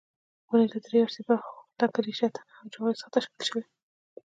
ونې له درې اصلي برخو لکه ریښه، تنه او جوغې څخه تشکیل شوې.